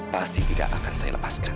pasti tidak akan saya lepaskan